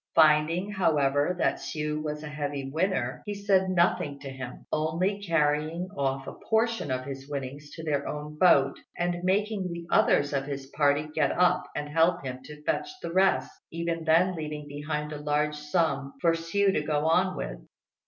Finding, however, that Hsiu was a heavy winner, he said nothing to him, only carrying off a portion of his winnings to their own boat and making the others of his party get up and help him to fetch the rest, even then leaving behind a large sum for Hsiu to go on with.